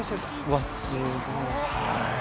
うわっ、すごい。